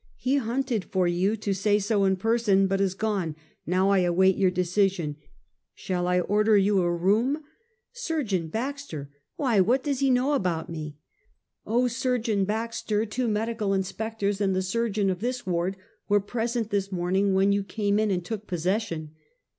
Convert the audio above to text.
He hunted for you to say so in person, but is gone; now I await your decision. Shall I order you a room ?" 254: Half a Century. " Surgeon Baxter! "Why — what does he know about me?" "Oh, Surgeon Baxter, two medical inspectors, and the surgeon of this ward were present this morning when you came in and took ]30ssession."